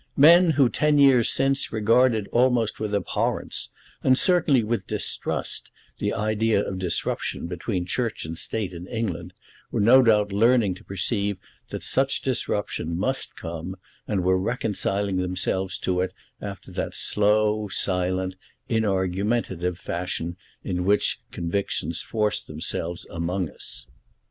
Men who ten years since regarded almost with abhorrence, and certainly with distrust, the idea of disruption between Church and State in England, were no doubt learning to perceive that such disruption must come, and were reconciling themselves to it after that slow, silent, inargumentative fashion in which convictions force themselves among us.